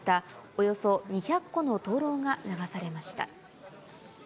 およそ２００個の灯籠が流されました。